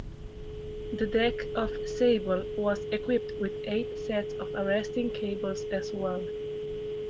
The deck of "Sable" was equipped with eight sets of arresting cables as well.